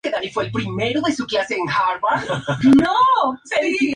Francia tardó un año más, hasta la firma del Tratado Arana-Lepredour.